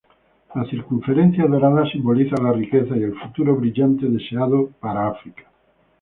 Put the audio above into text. La circunferencia dorada simboliza la riqueza y el futuro brillante deseado para África.